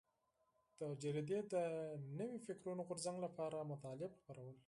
دې جریدې د نوي فکري غورځنګ لپاره مطالب خپرول.